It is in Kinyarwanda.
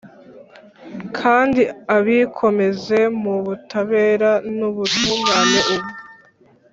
kandi abikomeze mu butabera n’ubutungane ubu